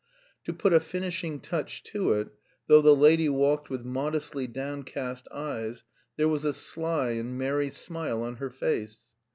To put a finishing touch to it, though the lady walked with modestly downcast eyes there was a sly and merry smile on her face.